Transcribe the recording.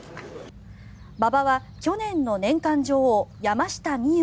馬場は去年の年間女王山下美夢